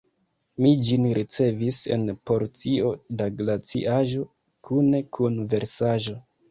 Mi ĝin ricevis en porcio da glaciaĵo kune kun versaĵo.